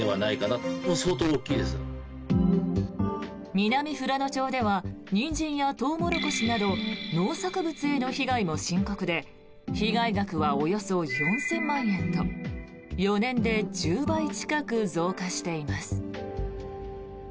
南富良野町ではニンジンやトウモロコシなど農作物への被害も深刻で被害額はおよそ４０００万円と４年で１０倍近く増加しています。